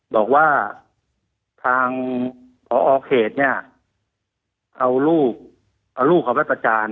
บอกว่าทางพอเขตเนี่ยเอาลูกเอาลูกเขาไปประจาน